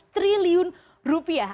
tiga lima triliun rupiah